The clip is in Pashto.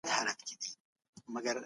د ارتقا لپاره مطالعه تر هر څه مهمه ده.